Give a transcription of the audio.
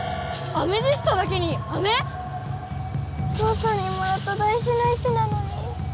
アメジストだけにあめ⁉父さんにもらっただいじな石なのに。